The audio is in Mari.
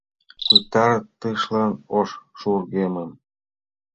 Пытартышлан ош шӱргемым